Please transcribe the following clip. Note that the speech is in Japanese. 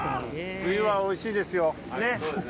冬はおいしいですよねっ。